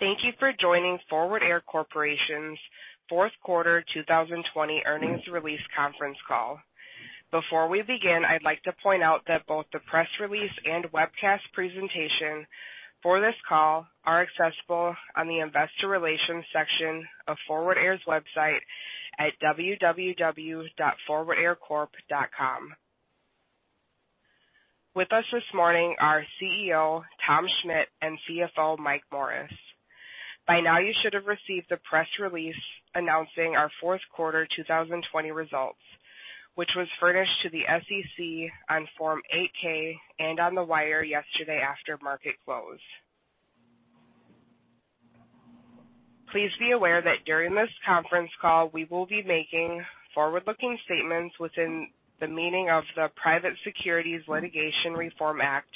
Thank you for joining Forward Air Corporation's fourth quarter 2020 earnings release conference call. Before we begin, I'd like to point out that both the press release and webcast presentation for this call are accessible on the Investor Relations section of Forward Air's website at www.forwardaircorp.com. With us this morning are CEO, Tom Schmitt, and CFO, Mike Morris. By now, you should have received the press release announcing our fourth quarter 2020 results, which was furnished to the SEC on Form 8-K and on the wire yesterday after market close. Please be aware that during this conference call, we will be making forward-looking statements within the meaning of the Private Securities Litigation Reform Act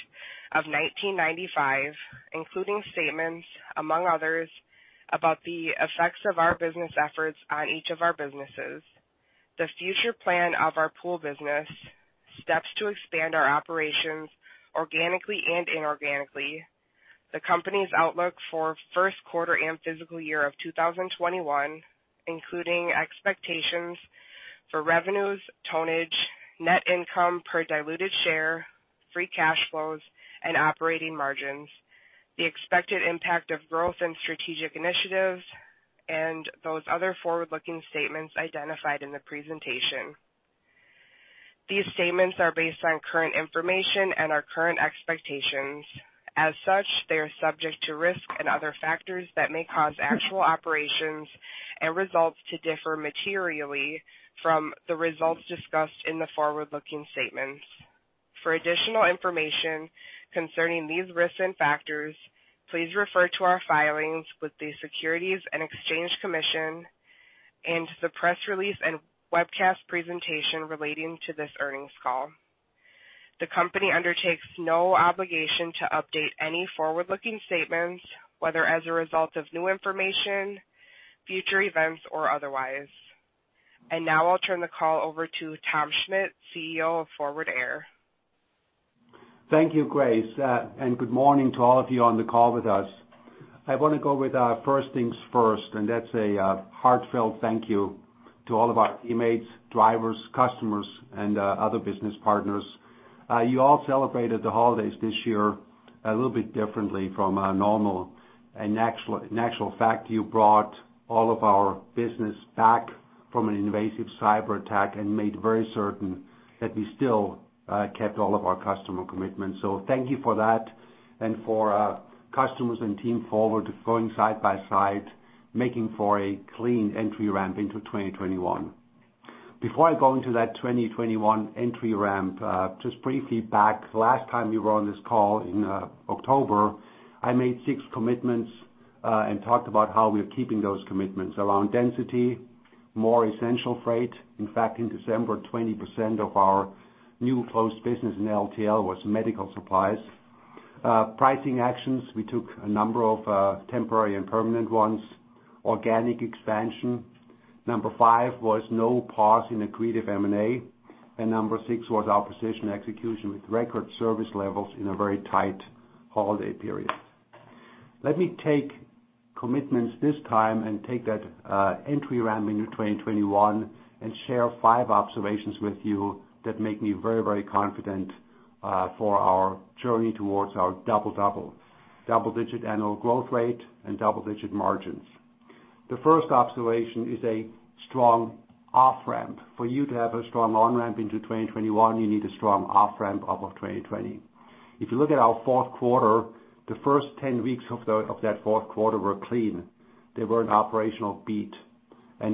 of 1995, including statements, among others, about the effects of our business efforts on each of our businesses, the future plan of our Pool business, steps to expand our operations organically and inorganically, the company's outlook for first quarter and fiscal year of 2021, including expectations for revenues, tonnage, net income per diluted share, free cash flows, and operating margins, the expected impact of growth and strategic initiatives, and those other forward-looking statements identified in the presentation. These statements are based on current information and our current expectations. As such, they are subject to risk and other factors that may cause actual operations and results to differ materially from the results discussed in the forward-looking statements. For additional information concerning these risks and factors, please refer to our filings with the Securities and Exchange Commission and the press release and webcast presentation relating to this earnings call. The company undertakes no obligation to update any forward-looking statements, whether as a result of new information, future events, or otherwise. Now, I'll turn the call over to Tom Schmitt, CEO of Forward Air. Thank you, Grace. Good morning to all of you on the call with us. I want to go with first things first. That's a heartfelt thank you to all of our teammates, drivers, customers, and other business partners. You all celebrated the holidays this year a little bit differently from normal. In actual fact, you brought all of our business back from an invasive cyber attack, and made very certain that we still kept all of our customer commitments. Thank you for that. For our customers and team going side by side, making for a clean entry ramp into 2021. Before I go into that 2021 entry ramp, just briefly back, last time we were on this call in October, I made six commitments and talked about how we are keeping those commitments around density, more essential freight. In fact, in December, 20% of our new closed business in LTL was medical supplies. Pricing actions, we took a number of temporary and permanent ones. Organic expansion. Number five was no pause in accretive M&A. Number six was our precision execution with record service levels in a very tight holiday period. Let me take commitments this time and take that entry ramp into 2021 and share five observations with you that make me very confident for our journey towards our double-double. Double-digit annual growth rate and double-digit margins. The first observation is a strong off-ramp. For you to have a strong on-ramp into 2021, you need a strong off-ramp off of 2020. If you look at our fourth quarter, the first 10 weeks of that fourth quarter were clean. They were an operational beat,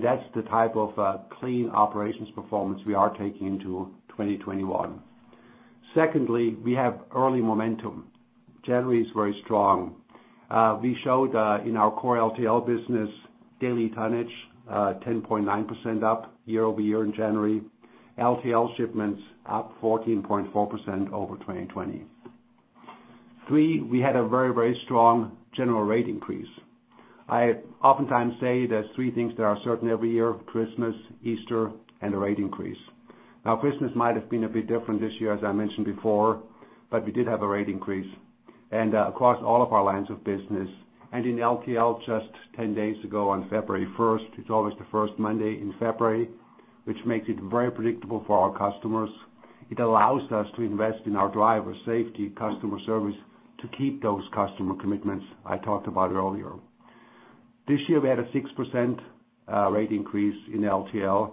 that's the type of clean operations performance we are taking into 2021. Secondly, we have early momentum. January is very strong. We showed in our core LTL business daily tonnage, 10.9% up year-over-year in January. LTL shipments up 14.4% over 2020. Three, we had a very strong general rate increase. I oftentimes say there's three things that are certain every year, Christmas, Easter, and a rate increase. Now, Christmas might have been a bit different this year, as I mentioned before, but we did have a rate increase. Across all of our lines of business, and in LTL, just 10 days ago on February 1st, it's always the first Monday in February, which makes it very predictable for our customers. It allows us to invest in our driver safety customer service to keep those customer commitments I talked about earlier. This year, we had a 6% rate increase in LTL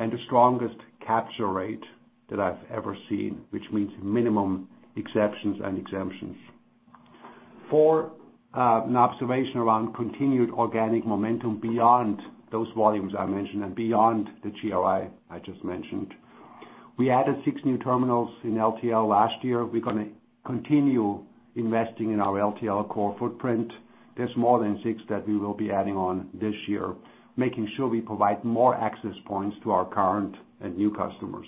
and the strongest capture rate that I've ever seen, which means minimum exceptions and exemptions. Four, an observation around continued organic momentum beyond those volumes I mentioned and beyond the GRI I just mentioned. We added six new terminals in LTL last year. We're going to continue investing in our LTL core footprint. There's more than six that we will be adding on this year, making sure we provide more access points to our current and new customers.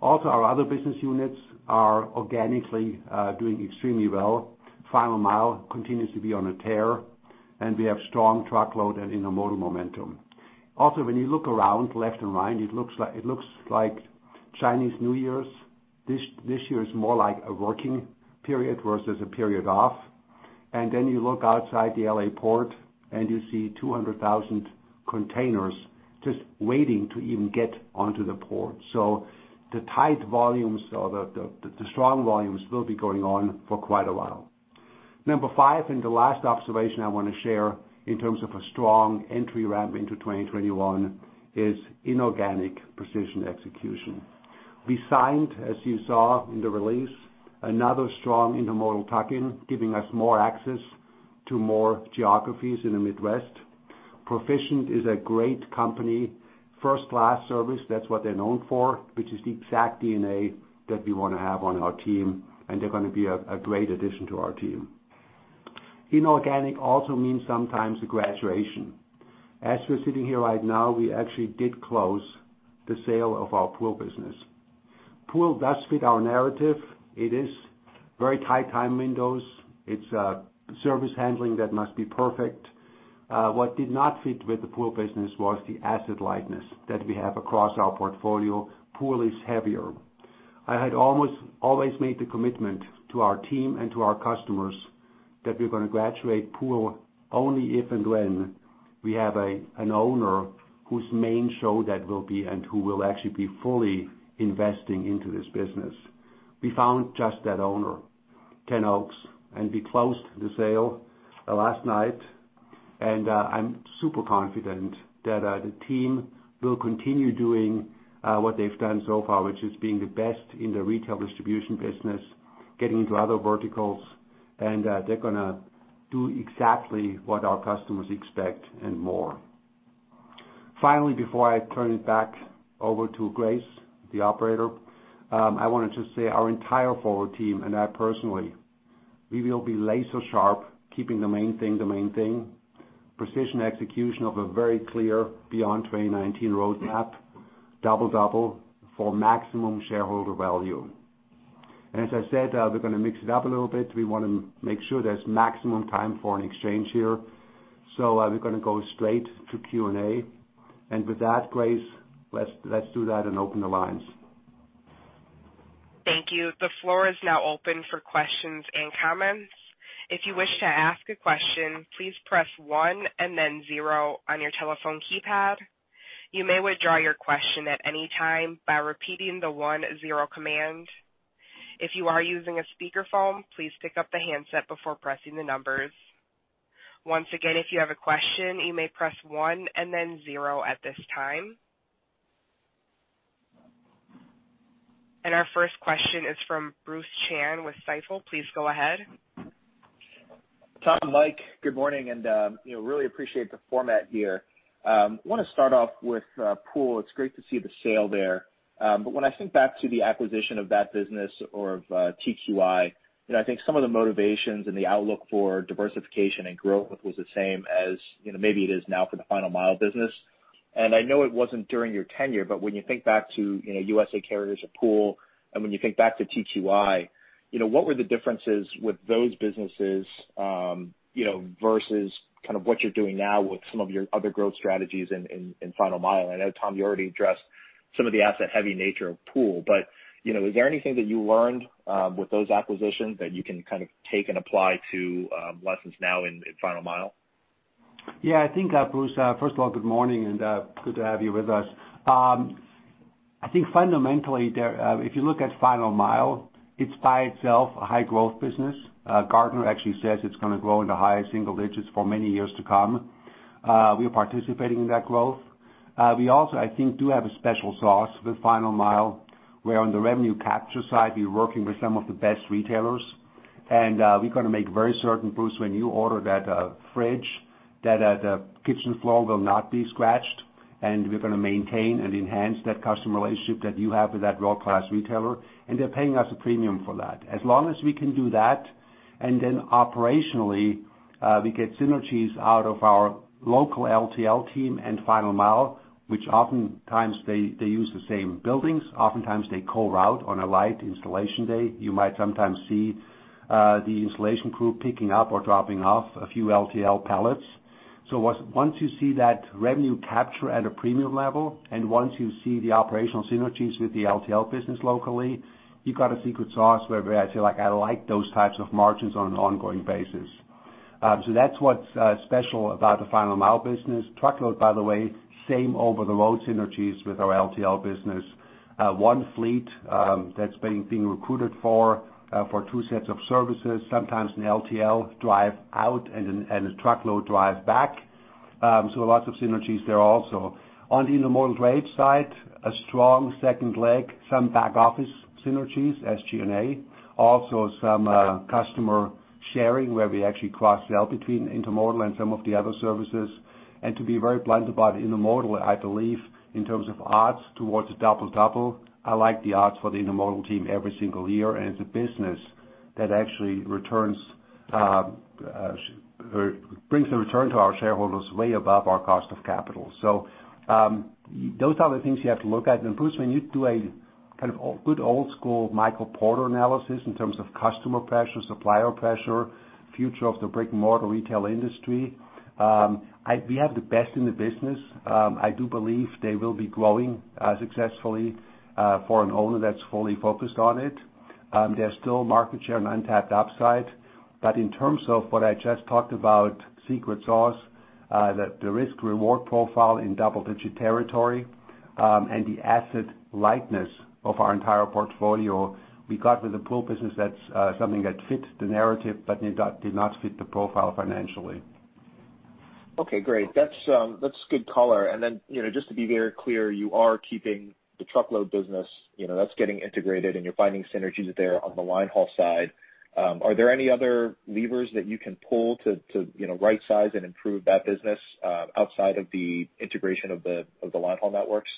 Our other business units are organically doing extremely well. Final Mile continues to be on a tear, and we have strong truckload and intermodal momentum. When you look around left and right, it looks like Chinese New Year. This year is more like a working period versus a period off. You look outside the L.A. port and you see 200,000 containers just waiting to even get onto the port. The tight volumes or the strong volumes will be going on for quite a while. Number five, and the last observation I want to share in terms of a strong entry ramp into 2021 is inorganic precision execution. We signed, as you saw in the release, another strong intermodal tuck-in, giving us more access to more geographies in the Midwest. Proficient is a great company, first-class service, that's what they're known for, which is the exact DNA that we want to have on our team, and they're going to be a great addition to our team. Inorganic also means sometimes a graduation. As we're sitting here right now, we actually did close the sale of our Pool business. Pool does fit our narrative. It is very tight time windows. It's service handling that must be perfect. What did not fit with the Pool business was the asset lightness that we have across our portfolio. Pool is heavier. I had almost always made the commitment to our team and to our customers that we're going to graduate Pool only if and when we have an owner whose main show that will be and who will actually be fully investing into this business. We found just that owner, Ten Oaks. We closed the sale last night. I'm super confident that the team will continue doing what they've done so far, which is being the best in the retail distribution business, getting into other verticals. They're going to do exactly what our customers expect and more. Finally, before I turn it back over to Grace, the operator, I want to just say our entire Forward team, and I personally, we will be laser sharp, keeping the main thing the main thing, precision execution of a very clear beyond 2019 roadmap, double-double for maximum shareholder value. As I said, we're going to mix it up a little bit. We want to make sure there's maximum time for an exchange here. We're going to go straight to Q&A. With that, Grace, let's do that and open the lines. Thank you. The floor is now open for questions and comments. If you wish to ask a question, please press one and then zero on your telephone keypad. You may withdraw your question at any time by repeating the one-zero command. If you are using a speakerphone, please pick up the handset before pressing the numbers. Once again, if you have a question, you may press one and then zero at this time. Our first question is from Bruce Chan with Stifel. Please go ahead. Tom, Mike, good morning, really appreciate the format here. I want to start off with Pool. It's great to see the sale there. When I think back to the acquisition of that business or of TQI, I think some of the motivations and the outlook for diversification and growth was the same as maybe it is now for the Final Mile business. I know it wasn't during your tenure, when you think back to U.S.A. carriers or Pool, and when you think back to TQI, what were the differences with those businesses versus what you're doing now with some of your other growth strategies in Final Mile? I know, Tom, you already addressed some of the asset-heavy nature of Pool, is there anything that you learned with those acquisitions that you can take and apply to lessons now in Final Mile? Bruce, first of all, good morning and good to have you with us. I think fundamentally, if you look at Final Mile, it's by itself a high growth business. Gartner actually says it's going to grow in the highest single-digits for many years to come. We are participating in that growth. We also, I think, do have a special sauce with Final Mile, where on the revenue capture side, we're working with some of the best retailers, and we're going to make very certain, Bruce, when you order that fridge, that the kitchen floor will not be scratched, and we're going to maintain and enhance that customer relationship that you have with that world-class retailer, and they're paying us a premium for that. As long as we can do that, operationally, we get synergies out of our local LTL team and Final Mile, which oftentimes they use the same buildings. Oftentimes they co-route on a light installation day. You might sometimes see the installation crew picking up or dropping off a few LTL pallets. Once you see that revenue capture at a premium level, once you see the operational synergies with the LTL business locally, you've got a secret sauce where I say, like, I like those types of margins on an ongoing basis. That's what's special about the Final Mile business. Truckload, by the way, same over-the-road synergies with our LTL business. One fleet that's being recruited for two sets of services, sometimes an LTL drive out and a truckload drive back. Lots of synergies there also. On the intermodal trade side, a strong second leg, some back-office synergies, SG&A. Some customer sharing where we actually cross-sell between intermodal and some of the other services. To be very blunt about intermodal, I believe in terms of odds towards double-double, I like the odds for the intermodal team every single year, and it's a business that actually brings a return to our shareholders way above our cost of capital. Those are the things you have to look at. Bruce, when you do a good old school Michael Porter analysis in terms of customer pressure, supplier pressure, future of the brick-and-mortar retail industry, we have the best in the business. I do believe they will be growing successfully for an owner that's fully focused on it. There's still market share and untapped upside. In terms of what I just talked about, secret sauce, that the risk-reward profile in double-digit territory, and the asset lightness of our entire portfolio, we got with the Pool business, that's something that fit the narrative but did not fit the profile financially. Okay, great. That's good color. Just to be very clear, you are keeping the Truckload business. That's getting integrated, and you're finding synergies there on the linehaul side. Are there any other levers that you can pull to right-size and improve that business outside of the integration of the linehaul networks?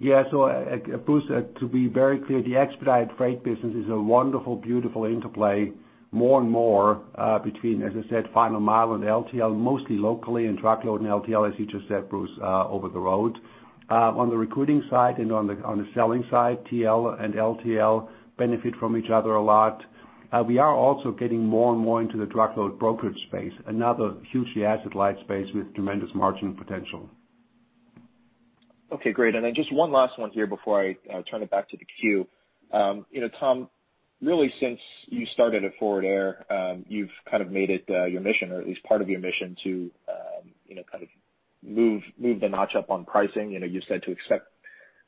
Bruce, to be very clear, the expedited freight business is a wonderful, beautiful interplay, more and more between, as I said, Final Mile and LTL, mostly locally in Truckload and LTL, as you just said, Bruce, over the road. On the recruiting side and on the selling side, TL and LTL benefit from each other a lot. We are also getting more and more into the truckload brokerage space, another hugely asset-light space with tremendous margin potential. Okay, great. Just one last one here before I turn it back to the queue. Tom, really since you started at Forward Air, you've made it your mission, or at least part of your mission to move the notch up on pricing. You said to expect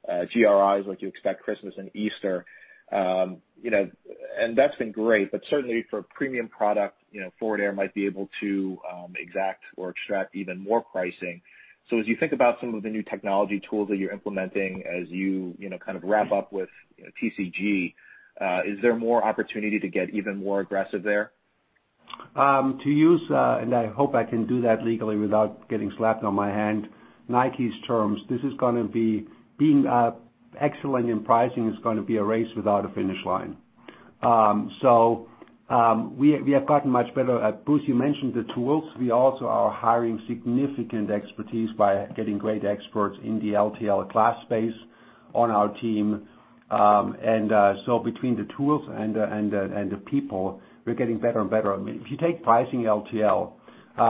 GRIs like you expect Christmas and Easter. That's been great, but certainly for a premium product, Forward Air might be able to exact or extract even more pricing. As you think about some of the new technology tools that you're implementing, as you wrap up with TCG, is there more opportunity to get even more aggressive there? To use, and I hope I can do that legally without getting slapped on my hand, Nike’s terms, being excellent in pricing is going to be a race without a finish line. We have gotten much better. Bruce, you mentioned the tools. We also are hiring significant expertise by getting great experts in the LTL class space on our team. Between the tools and the people, we’re getting better and better. If you take pricing LTL,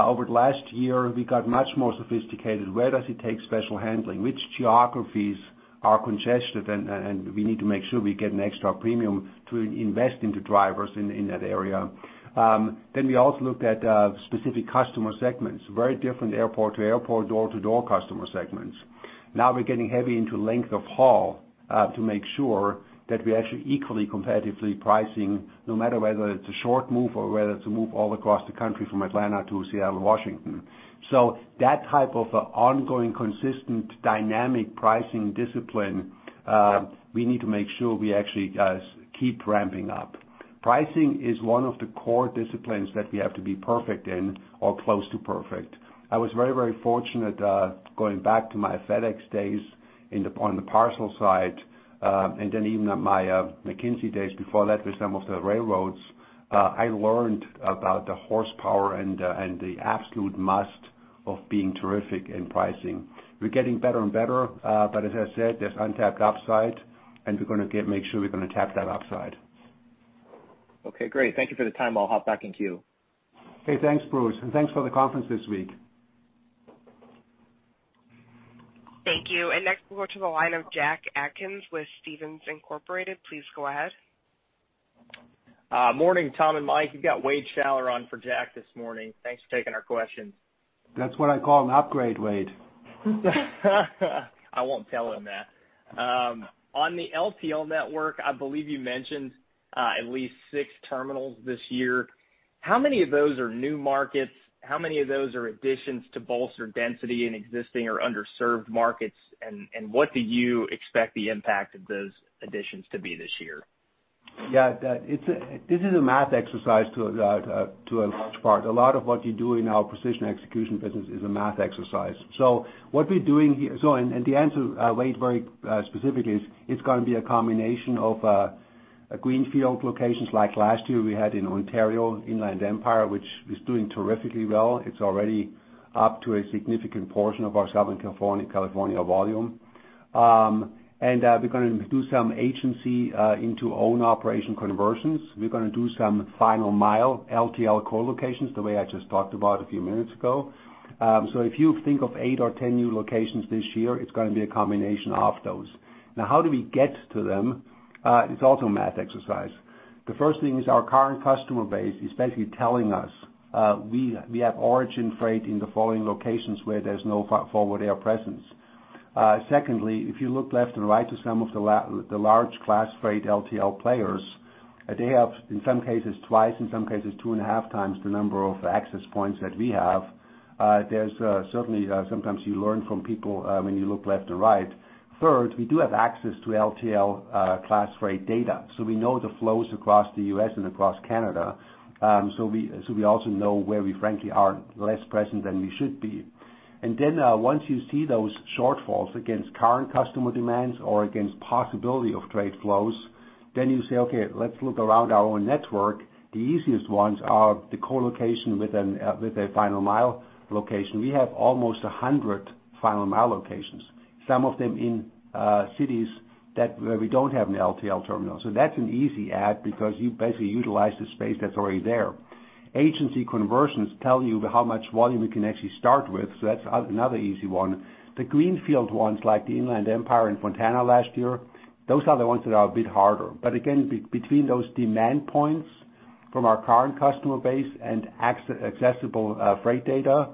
over the last year, we got much more sophisticated. Where does it take special handling? Which geographies are congested? We need to make sure we get an extra premium to invest into drivers in that area. We also looked at specific customer segments, very different airport-to-airport, door-to-door customer segments. We're getting heavy into length of haul to make sure that we're actually equally competitively pricing, no matter whether it's a short move or whether it's a move all across the country from Atlanta to Seattle, Washington. That type of ongoing, consistent, dynamic pricing discipline, we need to make sure we actually keep ramping up. Pricing is one of the core disciplines that we have to be perfect in or close to perfect. I was very fortunate, going back to my FedEx days on the parcel side, and then even at my McKinsey days before that with some of the railroads, I learned about the horsepower and the absolute must of being terrific in pricing. We're getting better and better, but as I said, there's untapped upside, and we're going to make sure we're going to tap that upside. Okay, great. Thank you for the time. I'll hop back in queue. Hey, thanks, Bruce, and thanks for the conference this week. Thank you. Next we'll go to the line of Jack Atkins with Stephens Inc. Please go ahead. Morning, Tom and Mike. You've got Wade Shuler on for Jack this morning. Thanks for taking our question. That's what I call an upgrade, Wade. I won't tell him that. On the LTL network, I believe you mentioned at least six terminals this year. How many of those are new markets? How many of those are additions to bolster density in existing or underserved markets? What do you expect the impact of those additions to be this year? This is a math exercise to a large part. A lot of what you do in our precision execution business is a math exercise. The answer, Wade, very specifically is, it's going to be a combination of greenfield locations like last year we had in Ontario, Inland Empire, which is doing terrifically well. It's already up to a significant portion of our Southern California volume. We're going to do some agency into own operation conversions. We're going to do some Final Mile LTL co-locations, the way I just talked about a few minutes ago. If you think of eight or 10 new locations this year, it's going to be a combination of those. How do we get to them? It's also a math exercise. The first thing is our current customer base is basically telling us, we have origin freight in the following locations where there's no Forward Air presence. Secondly, if you look left and right to some of the large class freight LTL players, they have, in some cases, twice, in some cases, two and a half times the number of access points that we have. There's certainly, sometimes you learn from people when you look left and right. We do have access to LTL class freight data, so we know the flows across the U.S. and across Canada. We also know where we frankly are less present than we should be. Once you see those shortfalls against current customer demands or against possibility of trade flows, you say, okay, let's look around our own network. The easiest ones are the co-location with a Final Mile location. We have almost 100 Final Mile locations. Some of them in cities where we don't have an LTL terminal. That's an easy add because you basically utilize the space that's already there. Agency conversions tell you how much volume you can actually start with, that's another easy one. The greenfield ones, like the Inland Empire and Fontana last year, those are the ones that are a bit harder. Again, between those demand points from our current customer base and accessible freight data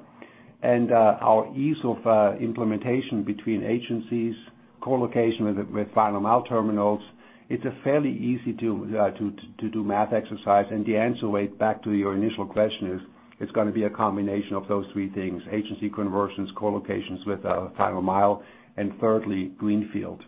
and our ease of implementation between agencies, co-location with Final Mile terminals, it's fairly easy to do math exercise. The answer, Wade, back to your initial question is, it's going to be a combination of those three things, agency conversions, co-locations with Final Mile, and thirdly, greenfield.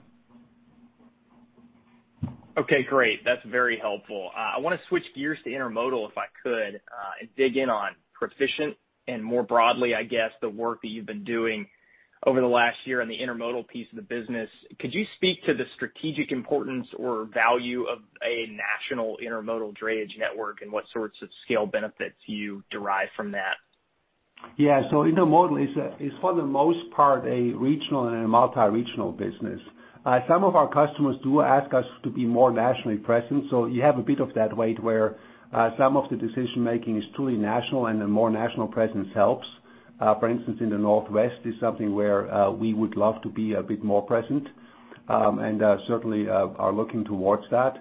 Okay, great. That's very helpful. I want to switch gears to intermodal, if I could, and dig in on Proficient and more broadly, I guess, the work that you've been doing over the last year on the intermodal piece of the business. Could you speak to the strategic importance or value of a national intermodal drayage network and what sorts of scale benefits you derive from that? Intermodal is, for the most part, a regional and a multi-regional business. Some of our customers do ask us to be more nationally present, so you have a bit of that weight where some of the decision-making is truly national, and a more national presence helps. For instance, in the Northwest is something where we would love to be a bit more present, and certainly are looking towards that.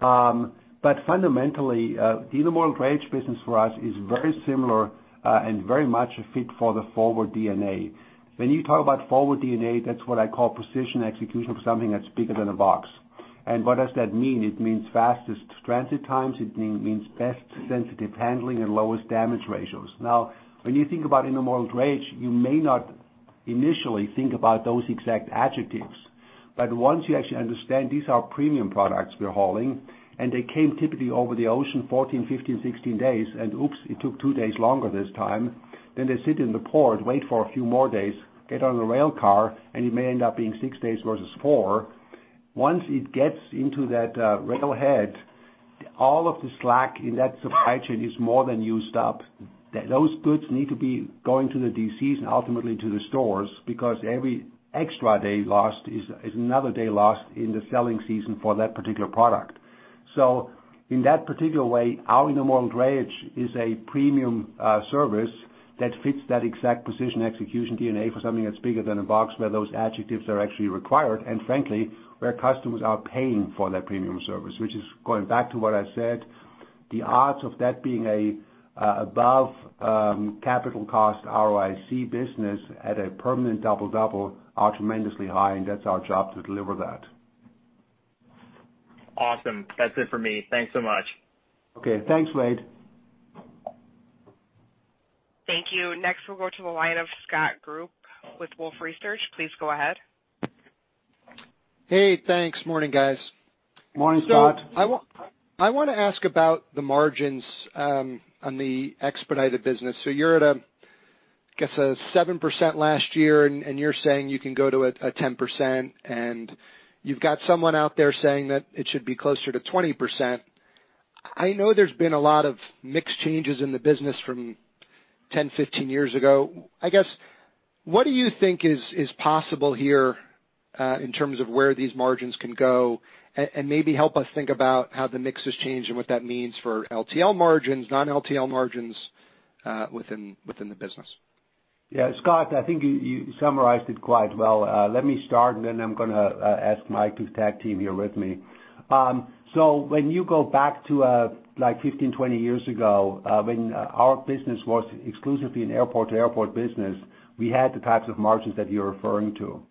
Fundamentally, the intermodal drayage business for us is very similar and very much a fit for the Forward DNA. When you talk about Forward DNA, that's what I call precision execution of something that's bigger than a box. What does that mean? It means fastest transit times. It means best sensitive handling and lowest damage ratios. Now, when you think about intermodal drayage, you may not initially think about those exact adjectives. Once you actually understand these are premium products we are hauling, and they came typically over the ocean 14, 15, 16 days, and oops, it took two days longer this time. They sit in the port, wait for a few more days, get on a rail car, and it may end up being six days versus four. Once it gets into that railhead, all of the slack in that supply chain is more than used up. Those goods need to be going to the DCs and ultimately to the stores because every extra day lost is another day lost in the selling season for that particular product. In that particular way, our intermodal drayage is a premium service that fits that exact position execution DNA for something that's bigger than a box where those adjectives are actually required, and frankly, where customers are paying for that premium service. Which is going back to what I said, the odds of that being above capital cost ROIC business at a permanent double-double are tremendously high, and that's our job to deliver that. Awesome. That's it for me. Thanks so much. Okay. Thanks, Wade. Thank you. Next, we'll go to the line of Scott Group with Wolfe Research. Please go ahead. Hey, thanks. Morning, guys. Morning, Scott. I want to ask about the margins on the expedited business. You're at a, guess, a 7% last year, and you're saying you can go to a 10%, and you've got someone out there saying that it should be closer to 20%. I know there's been a lot of mixed changes in the business from 10, 15 years ago. I guess, what do you think is possible here, in terms of where these margins can go? Maybe help us think about how the mix has changed and what that means for LTL margins, non-LTL margins within the business. Scott, I think you summarized it quite well. Let me start, and then I'm going to ask Mike, who's tag team here with me. When you go back to, like 15, 20 years ago, when our business was exclusively an airport-to-airport business, we had the types of margins that you're referring to.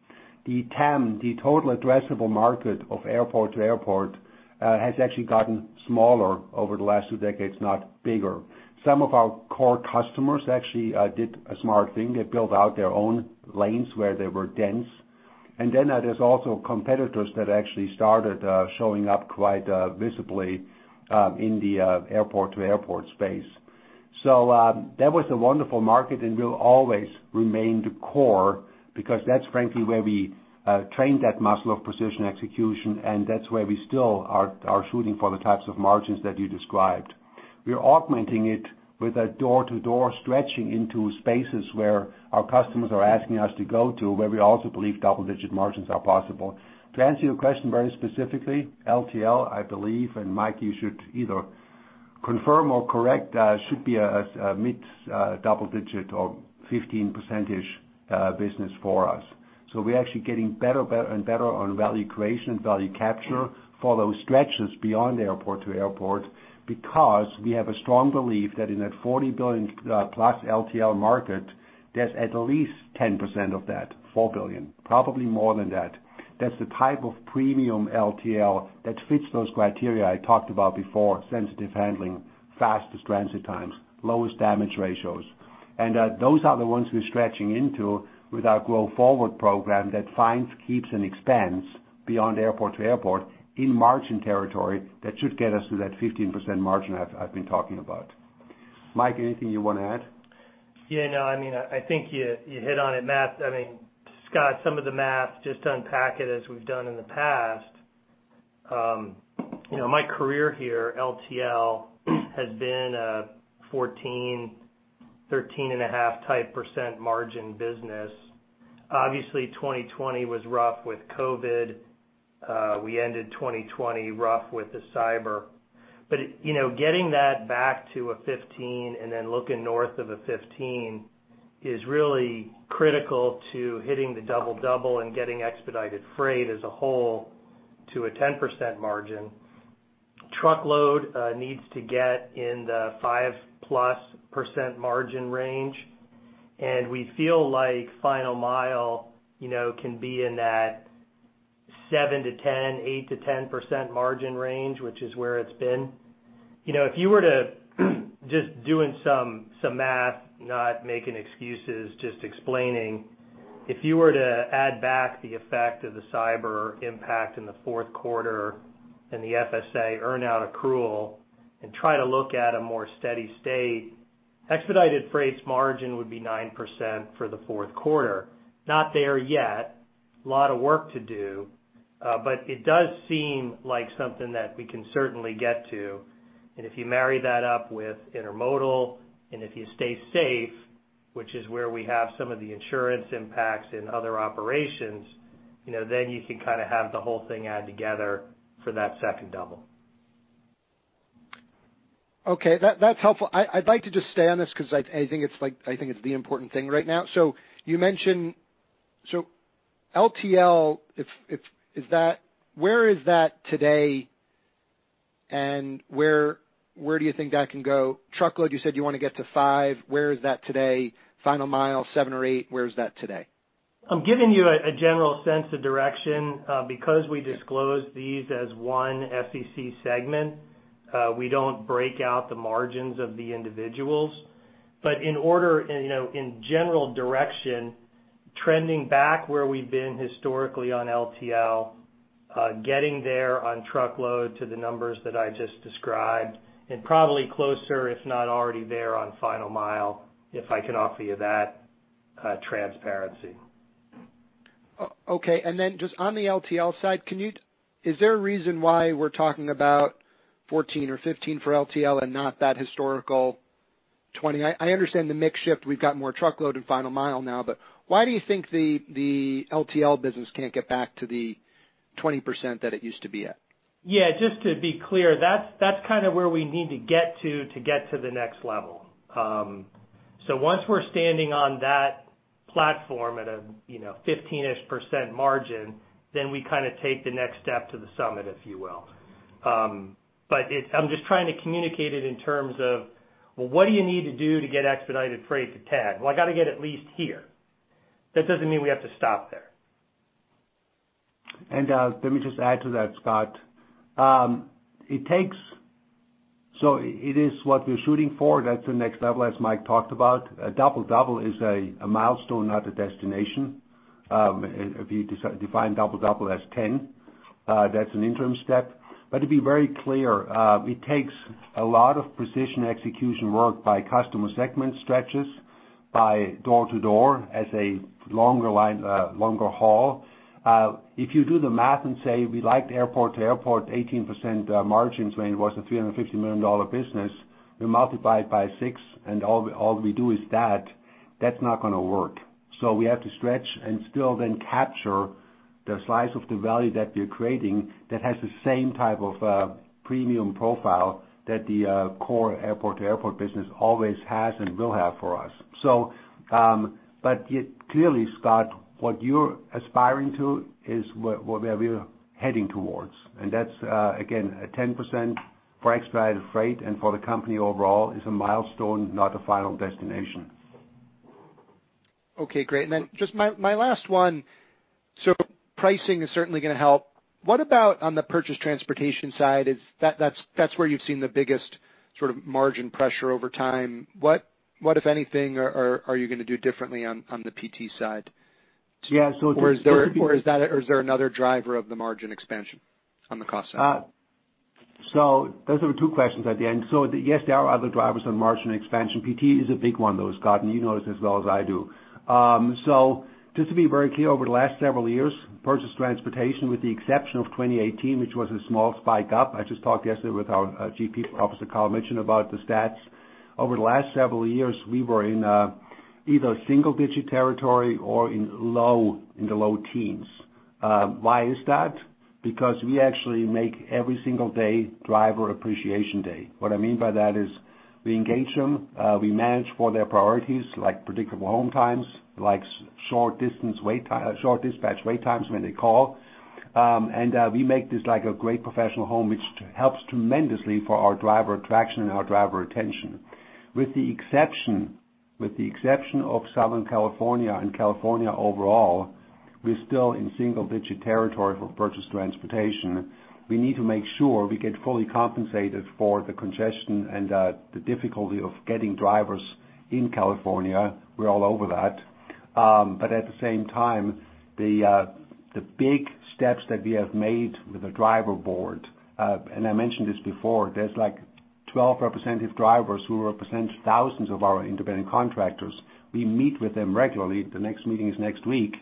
The TAM, the total addressable market of airport-to-airport, has actually gotten smaller over the last two decades, not bigger. Some of our core customers actually did a smart thing. They built out their own lanes where they were dense. There's also competitors that actually started showing up quite visibly in the airport-to-airport space. That was a wonderful market, and will always remain the core because that's frankly, where we trained that muscle of precision execution, and that's where we still are shooting for the types of margins that you described. We are augmenting it with a door-to-door stretching into spaces where our customers are asking us to go to, where we also believe double-digit margins are possible. To answer your question very specifically, LTL, I believe, and Mike, you should either confirm or correct, should be a mid-double-digit or 15% business for us. We're actually getting better and better on value creation and value capture for those stretches beyond airport-to-airport because we have a strong belief that in that $40+ billion LTL market, there's at least 10% of that—$4 billion, probably more than that—that's the type of premium LTL that fits those criteria I talked about before, sensitive handling, fastest transit times, lowest damage ratios. Those are the ones we're stretching into with our Grow Forward program that finds, keeps, and expands beyond airport-to-airport in margin territory that should get us to that 15% margin I've been talking about. Mike, anything you want to add? I think you hit on it. Scott, some of the math, just to unpack it as we've done in the past. My career here, LTL, has been a 14%, 13.5%-type margin business. Obviously, 2020 was rough with COVID. We ended 2020 rough with the cyber. Getting that back to a 15% and then looking north of a 15% is really critical to hitting the double-double and getting expedited freight as a whole to a 10% margin. Truckload needs to get in the 5%+ margin range, and we feel like Final Mile can be in that 7%-10%, 8%-10% margin range, which is where it's been. Just doing some math, not making excuses, just explaining. If you were to add back the effect of the cyber impact in the fourth quarter and the FSA earn-out accrual and try to look at a more steady state, expedited freight's margin would be 9% for the fourth quarter. Not there yet, a lot of work to do. It does seem like something that we can certainly get to. If you marry that up with intermodal and if you stay safe, which is where we have some of the insurance impacts in other operations, then you can have the whole thing add together for that second double. Okay. That's helpful. I'd like to just stay on this because I think it's the important thing right now. You mentioned, LTL. Where is that today and where do you think that can go? Truckload, you said you want to get to 5%. Where is that today? Final Mile, 7% or 8%. Where is that today? I'm giving you a general sense of direction. Because we disclosed these as one SEC segment, we don't break out the margins of the individuals. In general direction, trending back where we've been historically on LTL, getting there on Truckload to the numbers that I just described, and probably closer, if not already there on Final Mile, if I can offer you that transparency. Okay. Just on the LTL side, is there a reason why we're talking about 14% or 15% for LTL and not that historical 20%? I understand the mix shift. We've got more Truckload and Final Mile now, why do you think the LTL business can't get back to the 20% that it used to be at? Just to be clear, that's kind of where we need to get to get to the next level. Once we're standing on that platform at around 15% margin, then we take the next step to the summit, if you will. I'm just trying to communicate it in terms of, well, what do you need to do to get expedited freight to that? Well, I got to get at least here. That doesn't mean we have to stop there. Let me just add to that, Scott. It is what we're shooting for. That's the next level, as Mike talked about. A double-double is a milestone, not a destination. If you define double-double as 10, that's an interim step. To be very clear, it takes a lot of precision execution work by customer segment stretches, by door-to-door as a longer haul. If you do the math and say, we like airport-to-airport 18% margins when it was a $350 million business, we multiply it by six and all we do is that, that's not going to work. We have to stretch and still then capture the slice of the value that we're creating that has the same type of premium profile that the core airport-to-airport business always has and will have for us. Yet clearly, Scott, what you're aspiring to is where we're heading towards. That's again, a 10% for expedited freight and for the company overall is a milestone, not a final destination. Okay, great. Just my last one. Pricing is certainly going to help. What about on the purchase transportation side? That's where you've seen the biggest sort of margin pressure over time. What, if anything, are you going to do differently on the PT side? Is there another driver of the margin expansion on the cost side? Those are two questions at the end. Yes, there are other drivers on margin expansion. PT is a big one, though, Scott, and you know this as well as I do. Just to be very clear, over the last several years, purchase transportation with the exception of 2018, which was a small spike up. I just talked yesterday with our GP officer, Kyle Mitchin, about the stats. Over the last several years, we were in either single-digit territory or in the low teens. Why is that? Because we actually make every single day driver appreciation day. What I mean by that is we engage them, we manage for their priorities, like predictable home times, like short dispatch wait times when they call. We make this a great professional home, which helps tremendously for our driver attraction and our driver retention. With the exception of Southern California and California overall, we're still in single-digit territory for purchase transportation. We need to make sure we get fully compensated for the congestion and the difficulty of getting drivers in California. We're all over that. At the same time, the big steps that we have made with the driver board, I mentioned this before, there are like 12 representative drivers who represent thousands of our independent contractors. We meet with them regularly. The next meeting is next week.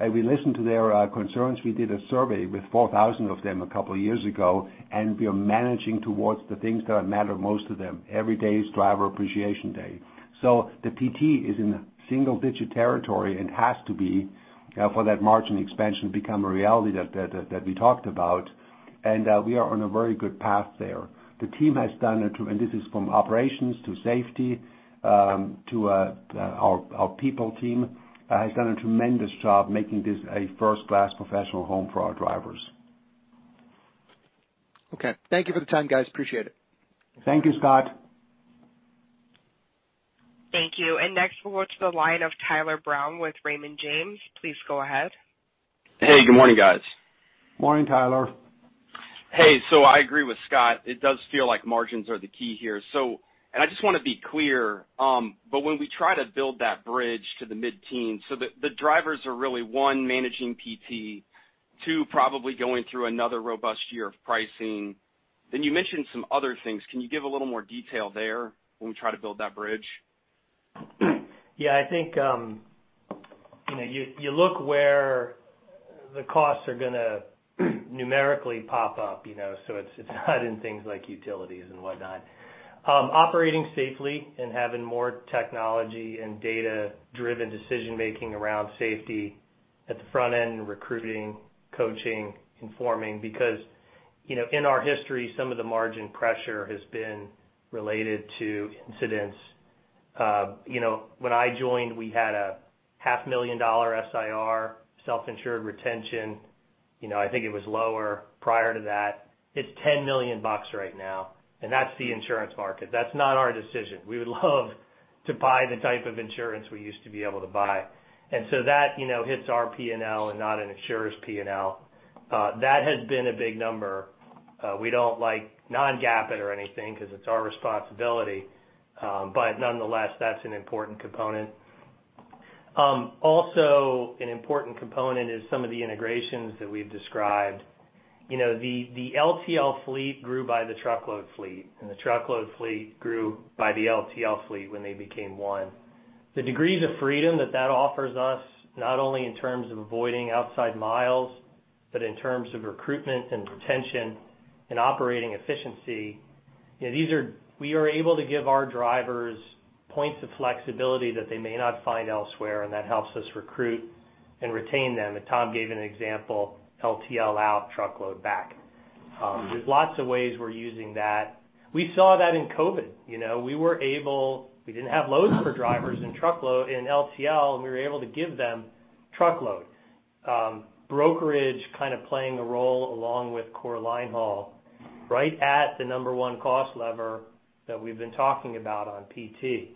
We listen to their concerns. We did a survey with 4,000 of them a couple of years ago, and we are managing towards the things that matter most to them. Every day is driver appreciation day. The PT is in single-digit territory and has to be for that margin expansion to become a reality that we talked about. We are on a very good path there. The team—and this is from operations to safety, to our people team—has done a tremendous job making this a first-class professional home for our drivers. Okay. Thank you for the time, guys. Appreciate it. Thank you, Scott. Thank you. Next we'll go to the line of Tyler Brown with Raymond James. Please go ahead. Hey, good morning, guys. Morning, Tyler. I agree with Scott, it does feel like margins are the key here. I just want to be clear, when we try to build that bridge to the mid-teens, the drivers are really, one, managing PT, two, probably going through another robust year of pricing. You mentioned some other things. Can you give a little more detail there when we try to build that bridge? You look where the costs are going to numerically pop up. It's not in things like utilities and whatnot. Operating safely and having more technology and data-driven decision making around safety at the front end, recruiting, coaching, informing, because, in our history, some of the margin pressure has been related to incidents. When I joined, we had a $0.5 million SIR, self-insured retention. I think it was lower prior to that. It's $10 million right now, that's the insurance market. That's not our decision. We would love to buy the type of insurance we used to be able to buy. That hits our P&L and not an insurer's P&L. That has been a big number. We don't non-GAAP it or anything because it's our responsibility. Nonetheless, that's an important component. An important component is some of the integrations that we've described. The LTL fleet grew by the truckload fleet, and the truckload fleet grew by the LTL fleet when they became one. The degrees of freedom that that offers us, not only in terms of avoiding outside miles, but in terms of recruitment and retention and operating efficiency. We are able to give our drivers points of flexibility that they may not find elsewhere, and that helps us recruit and retain them. Tom gave an example, LTL out, truckload back. There's lots of ways we're using that. We saw that in COVID. We didn't have loads for drivers in LTL, and we were able to give them truckload. Brokerage kind of playing a role along with core linehaul right at the number one cost lever that we've been talking about on PT.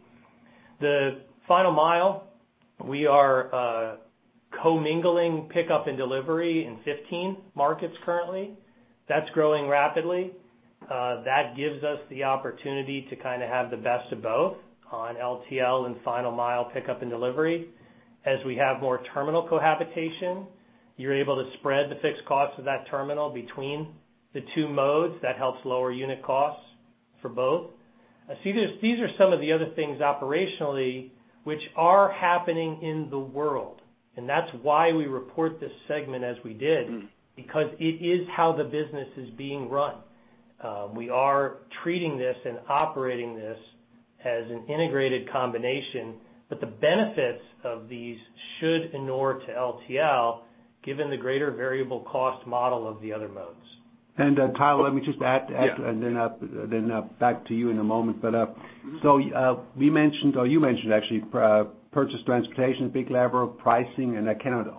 The Final Mile, we are co-mingling pickup and delivery in 15 markets currently. That's growing rapidly. That gives us the opportunity to kind of have the best of both on LTL and Final Mile pickup and delivery. As we have more terminal cohabitation, you're able to spread the fixed cost of that terminal between the two modes. That helps lower unit costs for both. These are some of the other things operationally which are happening in the world, and that's why we report this segment as we did, because it is how the business is being run. We are treating this and operating this as an integrated combination, but the benefits of these should inure to LTL, given the greater variable cost model of the other modes. Tyler, let me just add. Back to you in a moment. You mentioned actually purchase transportation is a big lever, pricing, and I cannot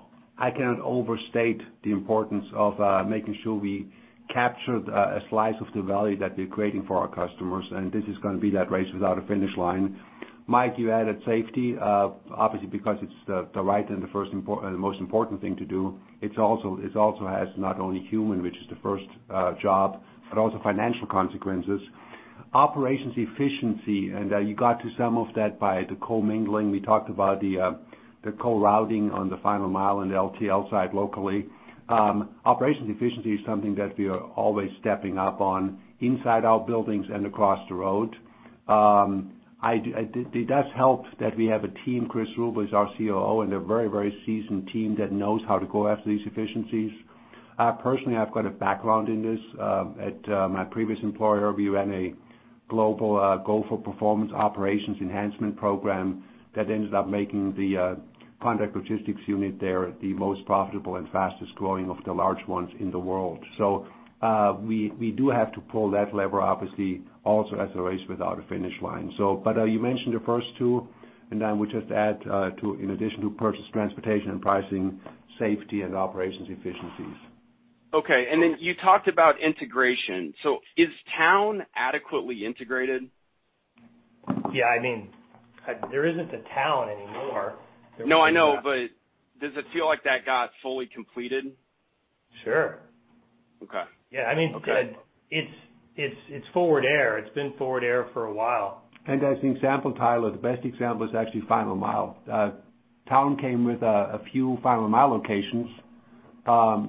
overstate the importance of making sure we capture a slice of the value that we're creating for our customers. This is going to be that race without a finish line. Mike, you added safety, obviously because it's the right and the most important thing to do. It also has not only human, which is the first job, but also financial consequences. Operations efficiency, you got to some of that by the co-mingling. We talked about the co-routing on the Final Mile and LTL side locally. Operations efficiency is something that we are always stepping up on inside our buildings and across the road. It does help that we have a team, Chris Ruble is our COO, and a very seasoned team that knows how to go after these efficiencies. Personally, I've got a background in this. At my previous employer, we ran a global goal for performance operations enhancement program that ended up making the contract logistics unit there the most profitable and fastest growing of the large ones in the world. We do have to pull that lever, obviously, also as a race without a finish line. You mentioned the first two, and then we just add, in addition to purchase transportation and pricing, safety and operations efficiencies. Okay. You talked about integration. Is Towne adequately integrated? There isn't a Towne anymore. No, I know. Does it feel like that got fully completed? Sure. Okay. It's Forward Air. It's been Forward Air for a while. As an example, Tyler, the best example is actually Final Mile. Towne came with a few Final Mile locations,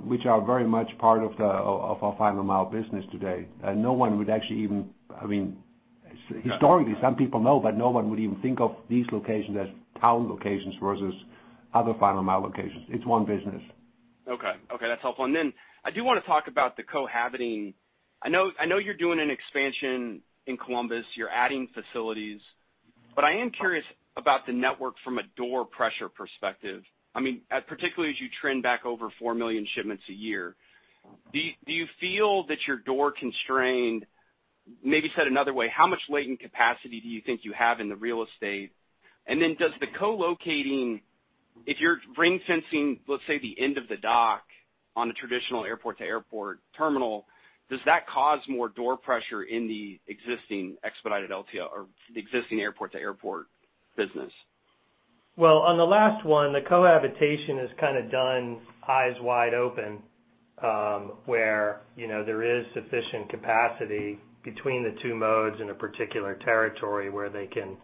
which are very much part of our Final Mile business today. No one would actually even historically, some people know, but no one would even think of these locations as Towne locations versus other Final Mile locations. It's one business. Okay. That's helpful. Then I do want to talk about the co-locating. I know you're doing an expansion in Columbus. You're adding facilities, but I am curious about the network from a door pressure perspective. Particularly as you trend back over 4 million shipments a year, do you feel that you're door constrained? Maybe said another way, how much latent capacity do you think you have in the real estate? Then does the co-locating, if you're ring fencing, let's say, the end of the dock on a traditional airport-to-airport terminal, does that cause more door pressure in the existing expedited LTL or the existing airport-to-airport business? On the last one, the cohabitation is kind of done eyes wide open, where there is sufficient capacity between the two modes in a particular territory where they can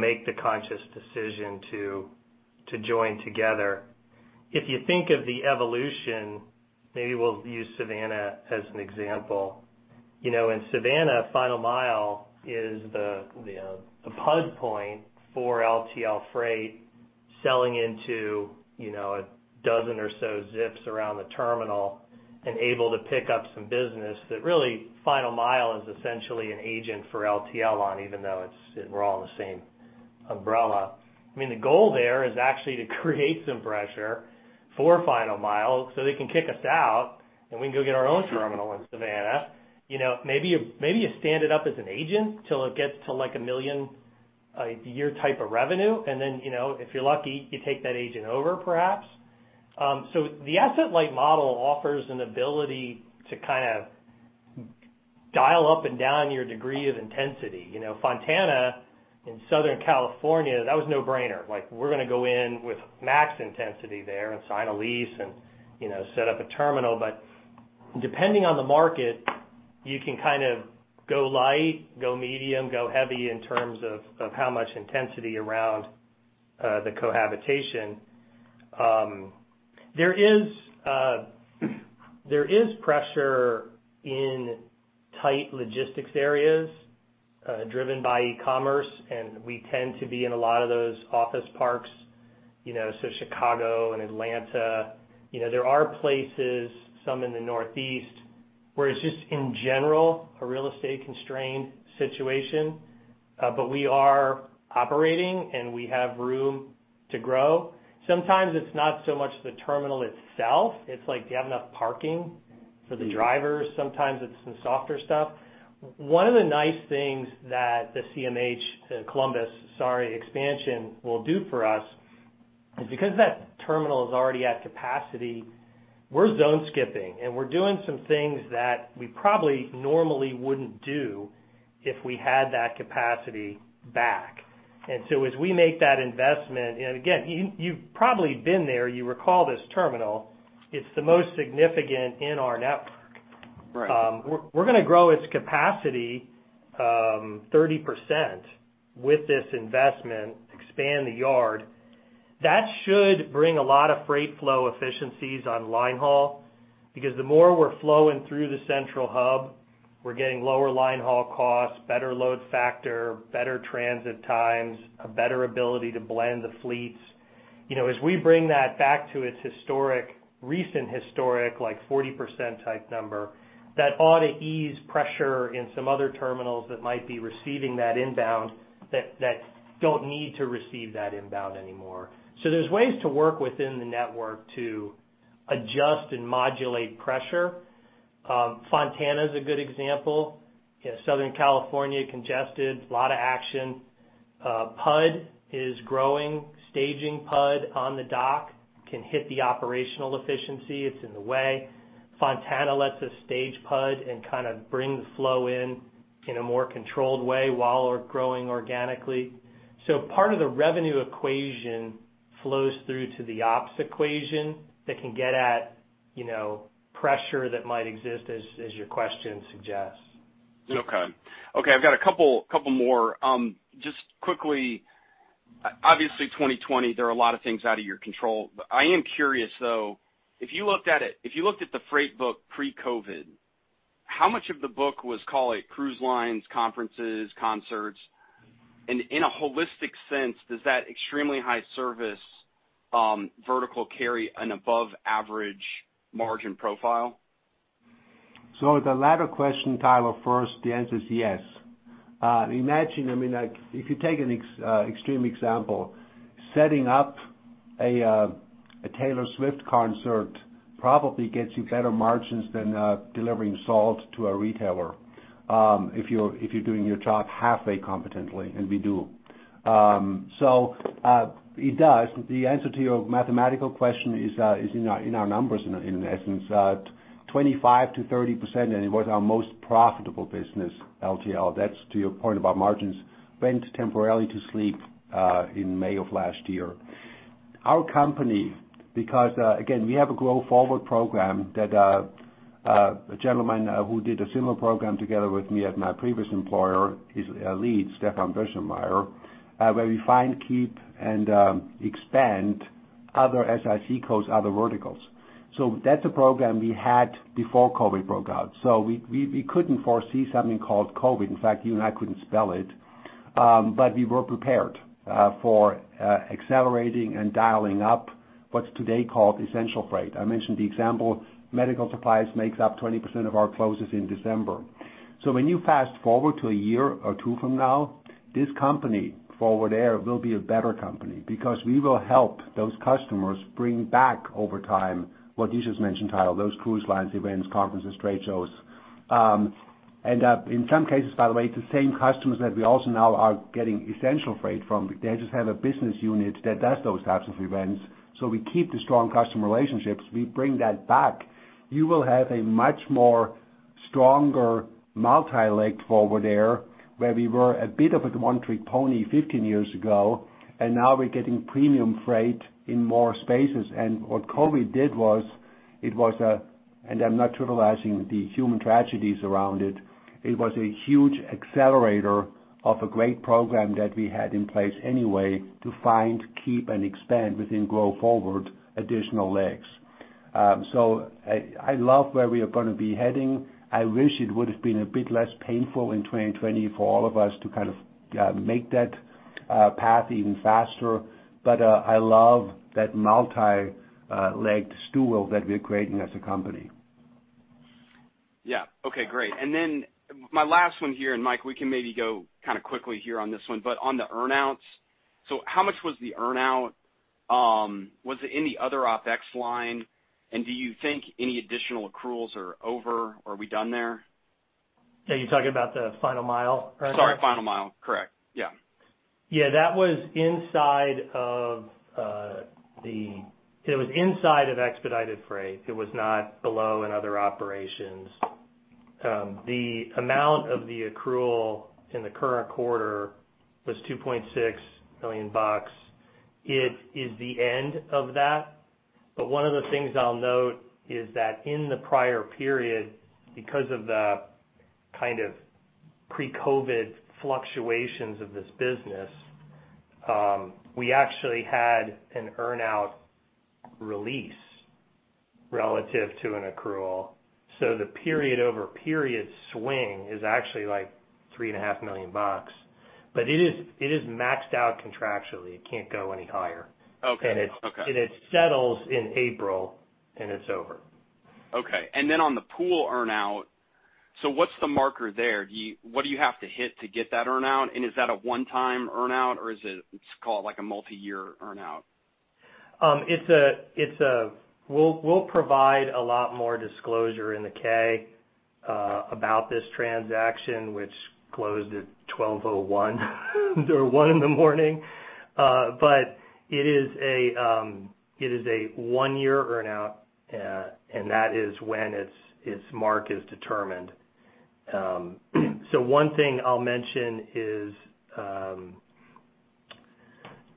make the conscious decision to join together. If you think of the evolution, maybe we'll use Savannah as an example. In Savannah, Final Mile is the PUD point for LTL freight selling into 12 or so zips around the terminal and able to pick up some business that really Final Mile is essentially an agent for LTL on, even though we're all in the same umbrella. The goal there is actually to create some pressure for Final Mile so they can kick us out, and we can go get our own terminal in Savannah. Maybe you stand it up as an agent till it gets to like a $1 million-a-year type of revenue, and then, if you're lucky, you take that agent over perhaps. The asset-light model offers an ability to kind of dial up and down your degree of intensity. Fontana in Southern California, that was a no-brainer. We're going to go in with max intensity there and sign a lease and set up a terminal. Depending on the market, you can kind of go light, go medium, go heavy in terms of how much intensity around the cohabitation. There is pressure in tight logistics areas driven by e-commerce, and we tend to be in a lot of those office parks, so Chicago and Atlanta. There are places, some in the Northeast, where it's just in general a real estate constrained situation. We are operating, and we have room to grow. Sometimes it's not so much the terminal itself. It's like, do you have enough parking for the drivers? Sometimes it's some other stuff. One of the nice things that the Columbus expansion will do for us is because that terminal is already at capacity, we're zone skipping, and we're doing some things that we probably normally wouldn't do if we had that capacity back. As we make that investment, and again, you've probably been there. You recall this terminal. It's the most significant in our network. We're going to grow its capacity 30% with this investment, expand the yard. That should bring a lot of freight flow efficiencies on linehaul because the more we're flowing through the central hub, we're getting lower linehaul costs, better load factor, better transit times, a better ability to blend the fleets. As we bring that back to its recent historic, like 40%-type number, that ought to ease pressure in some other terminals that might be receiving that inbound that don't need to receive that inbound anymore. There's ways to work within the network to adjust and modulate pressure. Fontana is a good example. Southern California, congested, a lot of action. PUD is growing. Staging PUD on the dock can hit the operational efficiency. It's in the way. Fontana lets us stage PUD and kind of bring the flow in in a more controlled way while we're growing organically. Part of the revenue equation flows through to the ops equation that can get at pressure that might exist as your question suggests. Okay. I've got a couple more. Just quickly, obviously, 2020, there are a lot of things out of your control. I am curious, though, if you looked at the freight book pre-COVID, how much of the book was, call it cruise lines, conferences, concerts? In a holistic sense, does that extremely high service vertical carry an above-average margin profile? The latter question, Tyler, first, the answer is yes. Imagine if you take an extreme example. Setting up a Taylor Swift concert probably gets you better margins than delivering salt to a retailer if you're doing your job halfway competently, and we do. It does. The answer to your mathematical question is in our numbers, in essence. 25%-30%, and it was our most profitable business, LTL. That's to your point about margins. Went temporarily to sleep in May of last year. Our company, because again, we have a Grow Forward program that a gentleman who did a similar program together with me at my previous employer, his lead, [Stefan Birschenmaier], where we find, keep, and expand other SIC codes, other verticals. That's a program we had before COVID broke out. We couldn't foresee something called COVID. In fact, you and I couldn't spell it. We were prepared for accelerating and dialing up what's today called essential freight. I mentioned the example, medical supplies makes up 20% of our closes in December. When you fast-forward to a year or two from now, this company, Forward Air, will be a better company because we will help those customers bring back over time what you just mentioned, Tyler, those cruise lines, events, conferences, trade shows. In some cases, by the way, the same customers that we also now are getting essential freight from, they just have a business unit that does those types of events. We keep the strong customer relationships. We bring that back. You will have a much more stronger multi-legged Forward Air, where we were a bit of a one-trick pony 15 years ago, and now we're getting premium freight in more spaces. What COVID did was, and I'm not trivializing the human tragedies around it, it was a huge accelerator of a great program that we had in place anyway to find, keep, and expand within Grow Forward additional legs. I love where we are going to be heading. I wish it would have been a bit less painful in 2020 for all of us to kind of make that path even faster. I love that multi-legged stool that we're creating as a company. Okay, great. My last one here, Mike, we can maybe go kind of quickly here on this one, but on the earn-outs. How much was the earn-out? Was it in the other OpEx line? Do you think any additional accruals are over? Are we done there? You're talking about the Final Mile, correct? Sorry, Final Mile. Correct. That was inside of expedited freight. It was not below in other operations. The amount of the accrual in the current quarter was $2.6 million. It is the end of that. One of the things I'll note is that in the prior period, because of the kind of pre-COVID fluctuations of this business, we actually had an earn-out release relative to an accrual. The period-over-period swing is actually like $3.5 million. It is maxed out contractually. It can't go any higher. Okay. It settles in April, and it's over. Okay. On the Pool earn-out, so what's the marker there? What do you have to hit to get that earn-out, and is that a one-time earn-out, or is it, let's call it, like a multi-year earn-out? We'll provide a lot more disclosure in the K about this transaction, which closed at 12:01 A.M. or 1:00 A.M. It is a one-year earn-out, and that is when its mark is determined. One thing I'll mention is,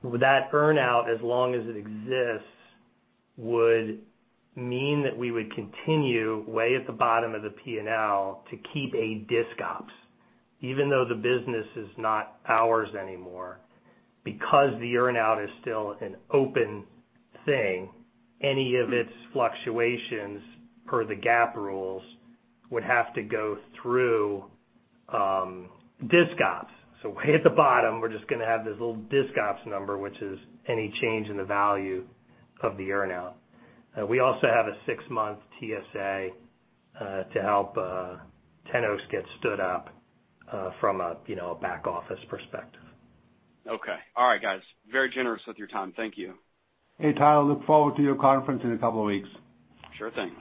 that earn-out, as long as it exists, would mean that we would continue way at the bottom of the P&L to keep a disc ops, even though the business is not ours anymore. Because the earn-out is still an open thing, any of its fluctuations, per the GAAP rules, would have to go through disc ops. Way at the bottom, we're just going to have this little disc ops number, which is any change in the value of the earn-out. We also have a six-month TSA to help Ten Oaks get stood up from a back office perspective. Okay. All right, guys. Very generous with your time. Thank you. Hey, Tyler. Look forward to your conference in a couple of weeks. Sure thing.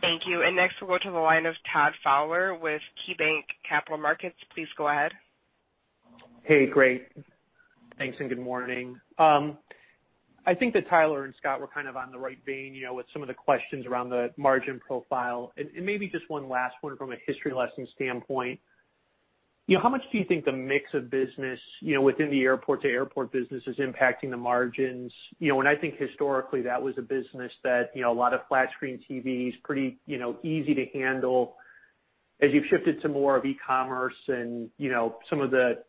Thank you. Next we'll go to the line of Todd Fowler with KeyBanc Capital Markets. Please go ahead. Hey, great. Thanks. Good morning. I think that Tyler and Scott were kind of on the right vein with some of the questions around the margin profile. Maybe just one last one from a history lesson standpoint. How much do you think the mix of business within the airport-to-airport business is impacting the margins? I think historically, that was a business that a lot of flat-screen TVs, pretty easy to handle. As you've shifted to more of e-commerce and some of the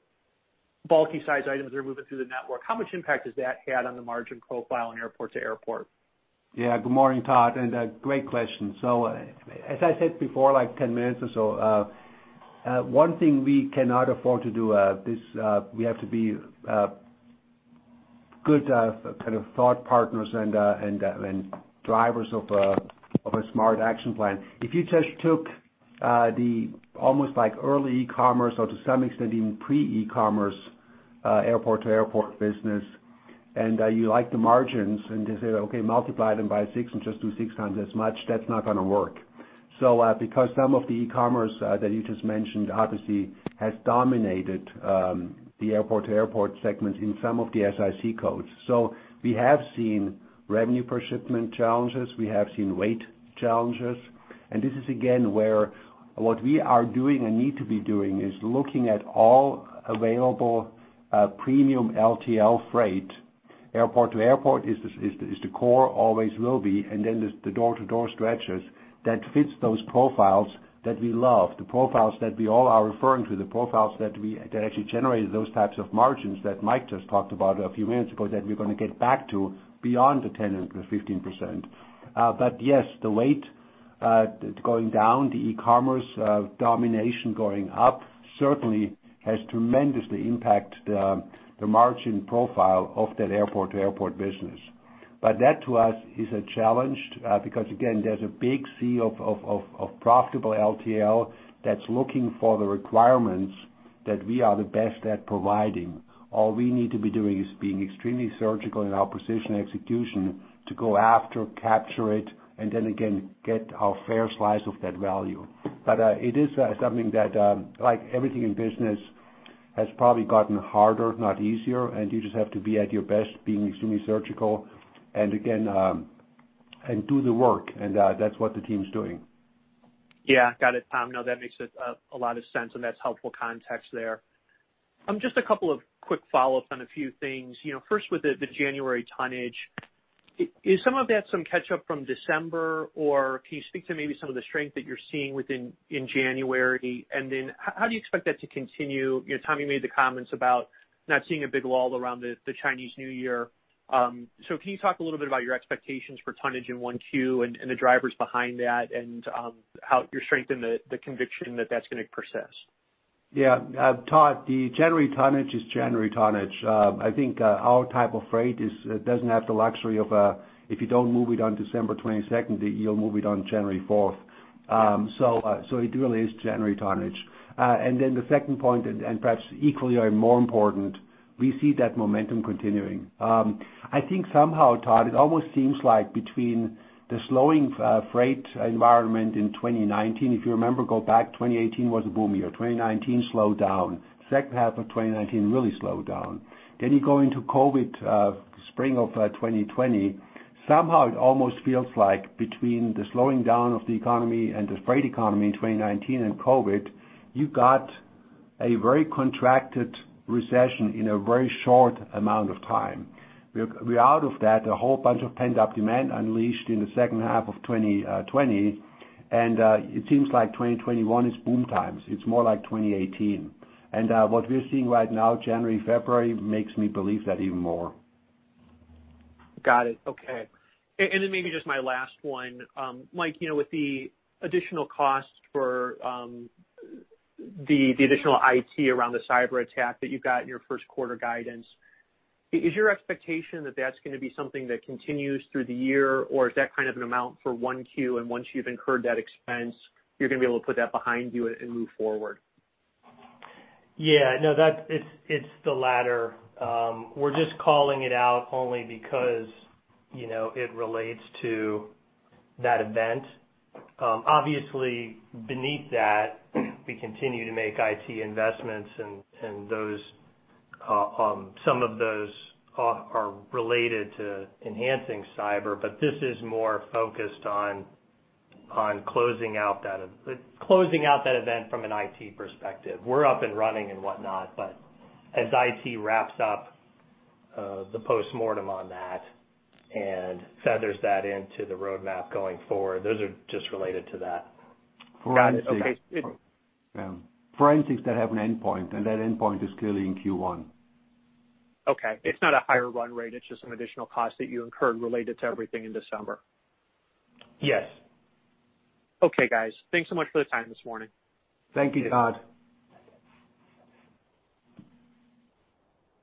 bulky size items that are moving through the network, how much impact has that had on the margin profile in airport-to-airport? Good morning, Todd. Great question. As I said before, like 10 minutes or so, one thing we cannot afford to do, we have to be good kind of thought partners and drivers of a smart action plan. If you just took the almost like early e-commerce or to some extent even pre-e-commerce airport-to-airport business, you like the margins and just say, okay, multiply them by six and just do six times as much, that's not going to work. Because some of the e-commerce that you just mentioned obviously has dominated the airport-to-airport segment in some of the SIC codes. We have seen revenue per shipment challenges. We have seen weight challenges. This is again, where what we are doing and need to be doing is looking at all available premium LTL freight. Airport-to-airport is the core, always will be. The door-to-door stretches that fits those profiles that we love, the profiles that we all are referring to, the profiles that actually generate those types of margins that Mike just talked about a few minutes ago, that we're going to get back to beyond the 10% or 15%. Yes, the weight going down, the e-commerce domination going up certainly has tremendously impacted the margin profile of that airport-to-airport business. That to us is a challenge, because again, there's a big sea of profitable LTL that's looking for the requirements that we are the best at providing. All we need to be doing is being extremely surgical in our position execution to go after, capture it, and then again, get our fair slice of that value. It is something that, like everything in business, has probably gotten harder, not easier, and you just have to be at your best, being extremely surgical, and do the work, and that's what the team's doing. Got it, Tom. That makes a lot of sense, and that's helpful context there. Just a couple of quick follow-up on a few things. First, with the January tonnage. Is some of that some catch up from December, or can you speak to maybe some of the strength that you're seeing within January? How do you expect that to continue? Tom, you made the comments about not seeing a big wall around the Chinese New Year. Can you talk a little bit about your expectations for tonnage in 1Q and the drivers behind that and your strength in the conviction that that's going to persist? Todd, the January tonnage is January tonnage. I think our type of freight doesn't have the luxury of, if you don't move it on December 22nd, you'll move it on January 4th. It really is January tonnage. The second point, and perhaps equally or more important, we see that momentum continuing. I think somehow, Todd, it almost seems like between the slowing freight environment in 2019, if you remember, go back, 2018 was a boom year. 2019, slowed down. Second half of 2019, really slowed down. You go into COVID, spring of 2020. Somehow it almost feels like between the slowing down of the economy and the freight economy in 2019 and COVID, you got a very contracted recession in a very short amount of time. We are out of that. A whole bunch of pent-up demand unleashed in the second half of 2020, and it seems like 2021 is boom times. It's more like 2018. What we're seeing right now, January, February, makes me believe that even more. Got it. Okay. Maybe just my last one. Mike, with the additional cost for the additional IT around the cyber attack that you got in your first quarter guidance, is your expectation that that's going to be something that continues through the year, or is that kind of an amount for 1Q, and once you've incurred that expense, you're going to be able to put that behind you and move forward? It's the latter. We're just calling it out only because it relates to that event. Obviously, beneath that, we continue to make IT investments and some of those are related to enhancing cyber, but this is more focused on closing out that event from an IT perspective. We're up and running and whatnot, but as IT wraps up the postmortem on that and feathers that into the roadmap going forward, those are just related to that. Got it. Okay. Forensics that have an endpoint, and that endpoint is clearly in Q1. It's not a higher run rate, it's just an additional cost that you incurred related to everything in December. Yes. Okay, guys. Thanks so much for the time this morning. Thank you, Todd.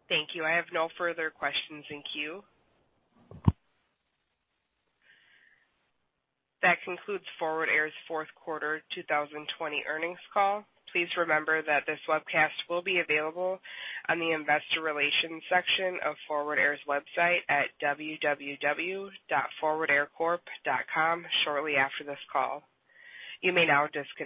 Thank you. I have no further questions in queue. That concludes Forward Air's fourth quarter 2020 earnings call. Please remember that this webcast will be available on the Investor Relations section of Forward Air's website at www.forwardaircorp.com shortly after this call. You may now disconnect.